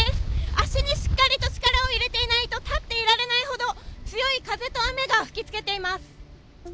足にしっかりと力を入れていないと立っていられないほど、強い風と雨が打ちつけています。